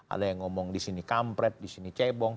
ada yang ngomong disini kampret disini cebong